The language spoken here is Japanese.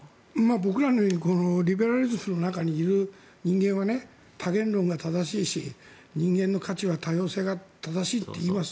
僕らリベラリストの中にいる人間は多元論が正しいし人間の価値は多様性が正しいといいます。